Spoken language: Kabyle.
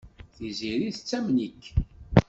Tiziri tettamen-ik.